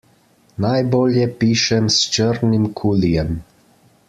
Najbolje pišem s črnim kulijem.